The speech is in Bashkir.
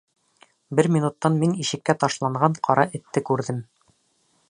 Бер минуттан мин ишеккә ташланған Ҡара Этте күрҙем.